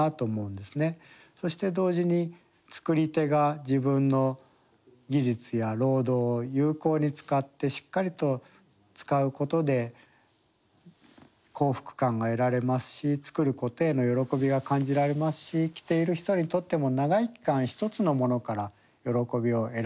そして同時に作り手が自分の技術や労働を有効に使ってしっかりと使うことで幸福感が得られますし作ることへの喜びが感じられますし着ている人にとっても長い期間一つのものから喜びを得られる。